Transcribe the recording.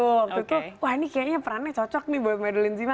waktu itu wah ini kayaknya perannya cocok nih buat medelin zima